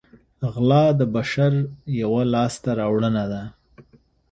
غلا د بشر یوه لاسته راوړنه ده